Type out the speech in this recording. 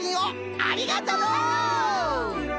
ありがとう！